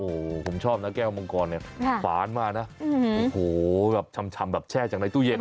โอ้โหผมชอบนะแก้วมังกรเนี่ยฝานมานะโอ้โหแบบชำแบบแช่จากในตู้เย็น